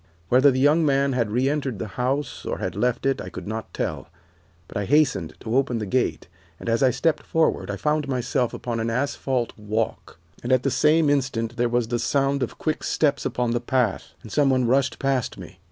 Whether the young man had re entered the house, or had left it I could not tell, but I hastened to open the gate, and as I stepped forward I found myself upon an asphalt walk. At the same instant there was the sound of quick steps upon the path, and some one rushed past me.